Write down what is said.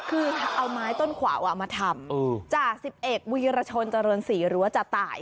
คือเอาไม้ต้นเขามาทำจากสิบเอ็ดมูยระชนจรณศรีรัวจัตรฐาย